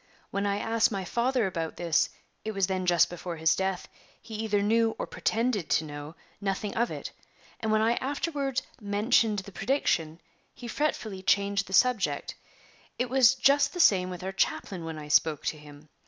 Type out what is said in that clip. When I asked my father about this it was then just before his death he either knew, or pretended to know, nothing of it; and when I afterward mentioned the prediction he fretfully changed the subject. It was just the same with our chaplain when I spoke to him.